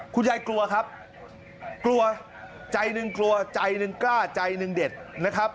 กลัวครับกลัวใจหนึ่งกลัวใจหนึ่งกล้าใจหนึ่งเด็ดนะครับ